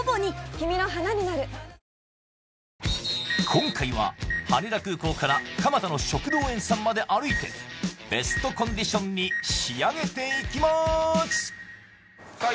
今回は羽田空港から蒲田の食道園さんまで歩いてベストコンディションに仕上げていきますさあ